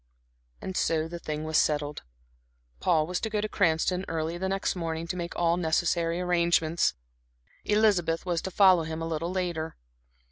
And so the thing was settled. Paul was to go to Cranston early the next morning to make all necessary arrangements; Elizabeth was to follow him a little later.